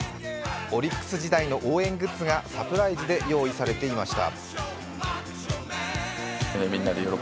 オリックス時代の応援グッズがサプライズで用意されていました。